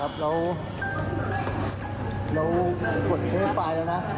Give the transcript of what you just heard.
เรากดเครื่องไฟล์แล้วนะ